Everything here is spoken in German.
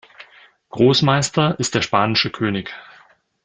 Großmeister ist der spanische König.